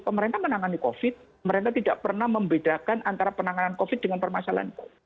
pemerintah menangani covid pemerintah tidak pernah membedakan antara penanganan covid dengan permasalahan covid